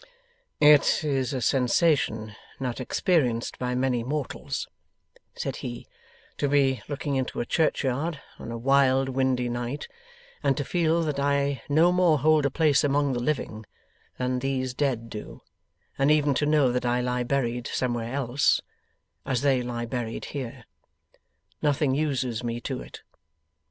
'It is a sensation not experienced by many mortals,' said he, 'to be looking into a churchyard on a wild windy night, and to feel that I no more hold a place among the living than these dead do, and even to know that I lie buried somewhere else, as they lie buried here. Nothing uses me to it.